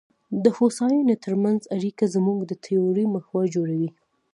د هوساینې ترمنځ اړیکه زموږ د تیورۍ محور جوړوي.